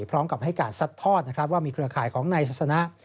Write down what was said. พร้อมกับให้การซัดทอดว่ามีเครือข่ายของนายสัยสนา